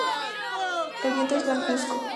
El vientre es blancuzco.